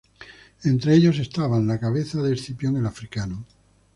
Entre ellos estaban la cabeza de Escipión el Africano.